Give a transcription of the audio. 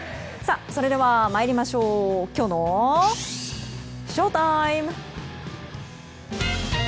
それでは参りましょうきょうのＳＨＯＴＩＭＥ！